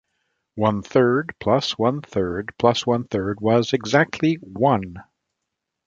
One third plus one third plus one third was exactly one.